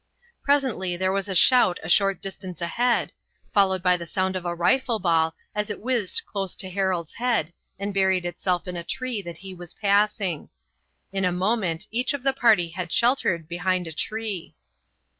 Presently there was a shout a short distance ahead, followed by the sound of a rifle ball as it whizzed close to Harold's head and buried itself in a tree that he was passing. In a moment each of the party had sheltered behind a tree.